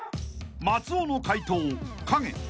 ［松尾の解答「影」］